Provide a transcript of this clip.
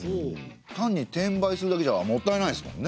単に転売するだけじゃもったいないですもんね。